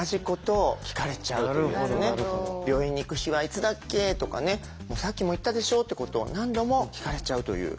「病院に行く日はいつだっけ？」とかねさっきも言ったでしょってことを何度も聞かれちゃうという。